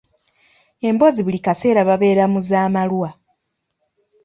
Emboozi buli kaseera babeera mu za malwa.